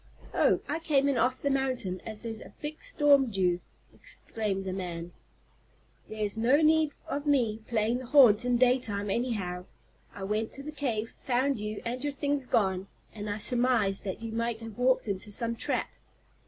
"Oh, I came in off the mountain, as there's a big storm due," explained the man. "There was no need of me playing the haunt in daytime, anyhow. I went to the cave, found you and your things gone, and I surmised that you might have walked into some trap."